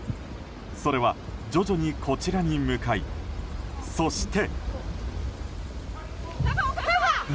それは徐々にこちらに向かいそして。